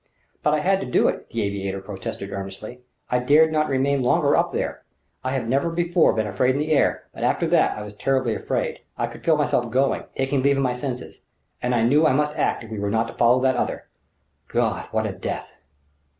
"But I had to do it!" the aviator protested earnestly. "I dared not remain longer up there. I have never before been afraid in the air, but after that I was terribly afraid. I could feel myself going taking leave of my senses and I knew I must act if we were not to follow that other... God! what a death!"